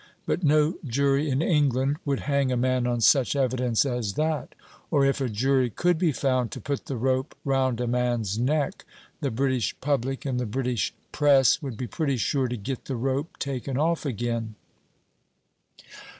But no jury in England would hang a man on such evidence as that; or if a jury could be found to put the rope round a man's neck, the British public and the British press would be pretty sure to get the rope taken off again."